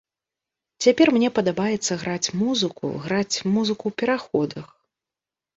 Цяпер мне падабаецца граць музыку, граць музыку ў пераходах.